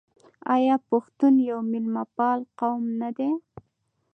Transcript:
آیا پښتون یو میلمه پال قوم نه دی؟